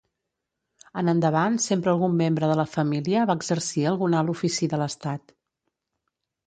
En endavant sempre algun membre de la família va exercir algun alt ofici de l'estat.